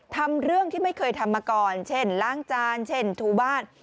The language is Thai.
ทำเรื่องที่ไม่เคยทำมาก่อนเช่นล้างจานเช่นถูบ้าน